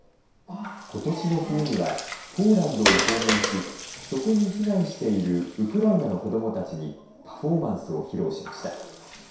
ことしの冬には、ポーランドを訪問し、そこに避難しているウクライナの子どもたちにパフォーマンスを披露しました。